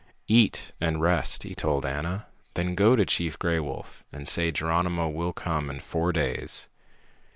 "Eat and rest," he told Ana. "Then go to Chief Gray Wolf and say Geronimo will come in four days."